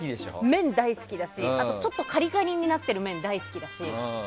麺大好きだしあとちょっとカリカリになっている麺、大好きだし。